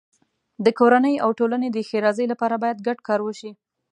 د کورنۍ او ټولنې د ښېرازۍ لپاره باید ګډ کار وشي.